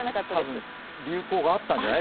多分、流行があったんじゃない？